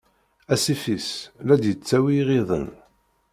Asif-is, la d-yettawi iɣiden.